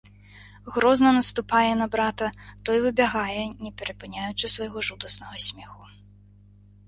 Грозна наступае на брата, той выбягае, не перапыняючы свайго жудаснага смеху.